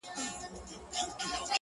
په عزت په شرافت باندي پوهېږي ـ